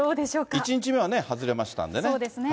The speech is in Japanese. １日目は外れましたんでね。